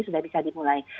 sudah bisa dimulai